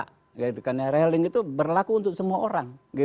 karena rehaling itu berlaku untuk semua orang